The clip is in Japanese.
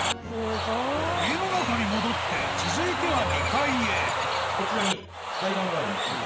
家の中に戻って続いては２階へこちらに階段があるんですけど。